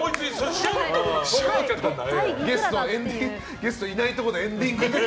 ゲストいないところでエンディングで。